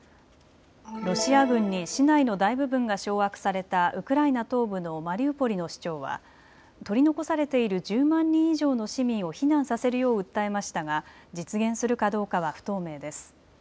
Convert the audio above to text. ロシア軍に市内の大部分が掌握されたウクライナ東部のマリウポリの市長は取り残されている１０万人以上の市民を避難させるよう訴えましたが実現するかどうかは不透明です。